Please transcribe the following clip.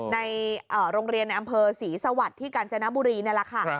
ในโรงเรียนในอำเภอศรีสวัสดิ์ที่กาญจนบุรีนี่แหละค่ะ